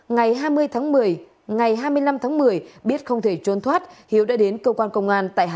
ngày hai mươi năm tháng một mươi biết không thể trôn thoát hiếu đã đến cơ quan công an tại hà nội để đầu thú